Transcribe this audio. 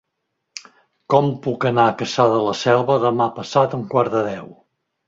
Com puc anar a Cassà de la Selva demà passat a un quart de deu?